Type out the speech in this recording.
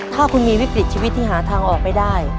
ถ้าคุณมีวิกฤตชีวิตที่หาทางออกไม่ได้